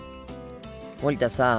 森田さん